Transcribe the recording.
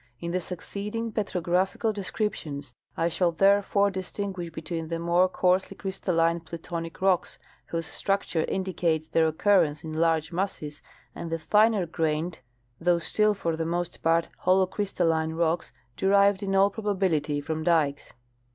In the succeeding petrographical descriptions I shall therefore distinguish between the more coarsely crystalline plutonic rocks, whose structure indicates their occurrence in large masses, and the finer grained though still for the most part holocrystalline rocks derived in all probability from dikes.